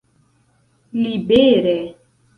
libere